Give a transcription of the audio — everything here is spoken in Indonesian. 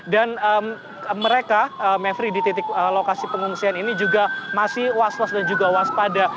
mereka mevri di titik lokasi pengungsian ini juga masih was was dan juga waspada